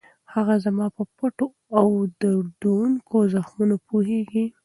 هغه زما په پټو او دردوونکو زخمونو پوهېږي.